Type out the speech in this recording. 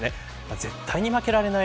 絶対に負けられない